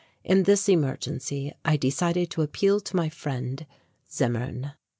In this emergency I decided to appeal to my friend, Zimmern.